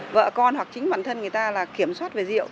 vợ con hoặc chính bản thân người ta là kiểm soát về rượu